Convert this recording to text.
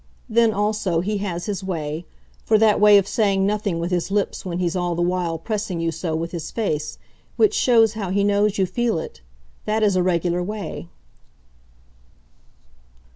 Then, also, he has his way; for that way of saying nothing with his lips when he's all the while pressing you so with his face, which shows how he knows you feel it that is a regular way."